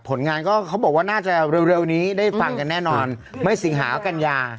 ผลงานก็เขาบอกว่าน่าจะเร็วนี้ได้ฟังกันแน่นอนเมื่อสิงหากัญญา